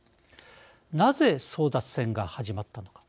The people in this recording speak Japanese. なぜ、争奪戦が始まったのか。